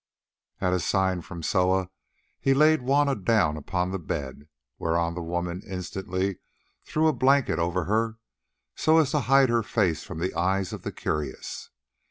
At a sign from Soa he laid Juanna down upon the bed, whereon the woman instantly threw a blanket over her, so as to hide her face from the eyes of the curious.